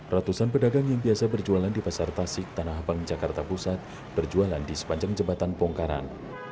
ratusan pedagang yang biasa berjualan di pasar tasik tanah abang jakarta pusat berjualan di sepanjang jembatan bongkaran